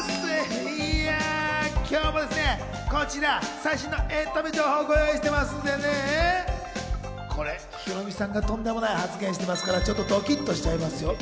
いや、今日もですね、こちら、最新のエンタメ情報をご用意していますんでね、これヒロミさんがとんでもない発言していますから、ドキっとしちゃいますよ。